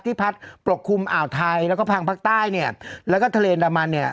พัดปกคลุมอ่าวไทยแล้วก็พังภาคใต้เนี่ยแล้วก็ทะเลอันดามันเนี่ย